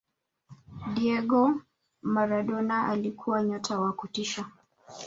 diego maradona alikuwa nyota wa kutisha